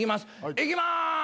いきまーす。